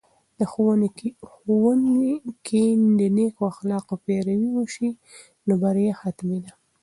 که ښوونې کې د نیکو اخلاقو پیروي وسي، نو بریا حتمي ده.